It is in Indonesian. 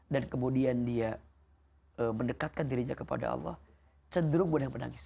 dan kemudian dia mendekatkan dirinya kepada allah cenderung benar benar menangis